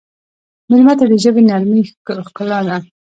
مېلمه ته د ژبې نرمي ښکلا ده.